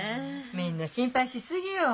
みんな心配しすぎよ。